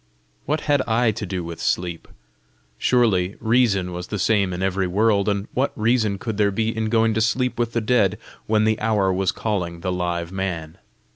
What had I to do with sleep? Surely reason was the same in every world, and what reason could there be in going to sleep with the dead, when the hour was calling the live man?